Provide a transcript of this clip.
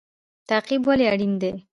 تعقیب ولې اړین دی؟